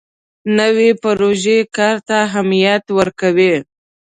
نوې پروژه کار ته اهمیت ورکوي